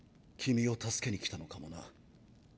君を助けに来たのかもな。